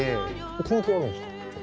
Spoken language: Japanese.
関係あるんですか？